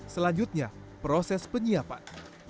selanjutnya proses penyiapan